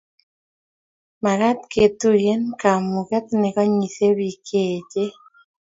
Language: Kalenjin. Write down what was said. mekat kutinyei kamuket ne konyisie biik che echen